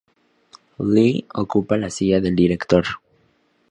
Lee ocupa la silla del director.